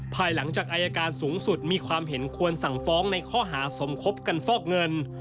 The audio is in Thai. ภายหลังจากอายการสูงสุดมีความเห็นควรสั่งฟ้องในข้อหาสมคบกันฟอกเงิน